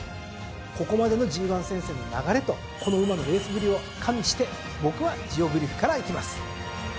ここまでのＧⅠ戦線の流れとこの馬のレースぶりを加味して僕はジオグリフからいきます。